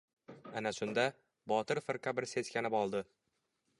Ana shunda, Botir firqa bir seskanib oldi.